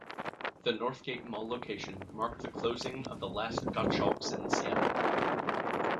The Northgate Mall location marked the closing of the last Gottschalks in Seattle.